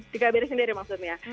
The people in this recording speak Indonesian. di kbri sendiri maksudnya